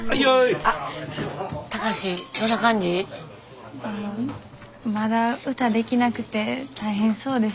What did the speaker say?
ああまだ歌できなくて大変そうです。